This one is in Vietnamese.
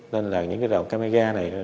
nên là những cái đoạn camera này